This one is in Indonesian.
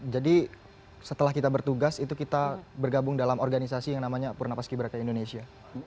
jadi setelah kita bertugas itu kita bergabung dalam organisasi yang namanya purna paskibraka indonesia